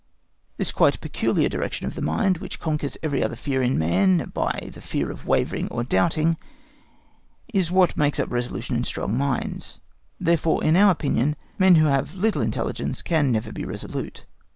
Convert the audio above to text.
This quite peculiar direction of the mind, which conquers every other fear in man by the fear of wavering or doubting, is what makes up resolution in strong minds; therefore, in our opinion, men who have little intelligence can never be resolute.